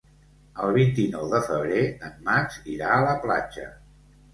El vint-i-nou de febrer en Max irà a la platja.